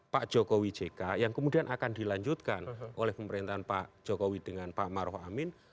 pak jokowi jk yang kemudian akan dilanjutkan oleh pemerintahan pak jokowi dengan pak maruf amin